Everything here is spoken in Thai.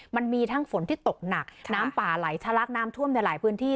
มันมีทั้งฝนที่ตกหนักน้ำป่าไหลทะลักน้ำท่วมในหลายพื้นที่